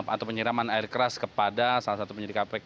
atau penyiraman air keras kepada salah satu penyelidik kpk